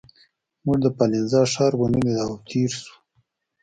موږ د پالنزا ښار ونه لید او تېر شوو.